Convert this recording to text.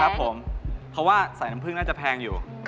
ครับผมเพราะว่าใส่น้ำผึ้งน่าจะแพงอยู่